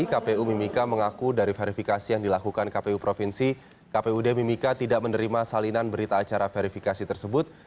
kpu mimika mengaku dari verifikasi yang dilakukan kpu provinsi kpud mimika tidak menerima salinan berita acara verifikasi tersebut